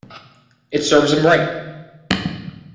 It serves him right.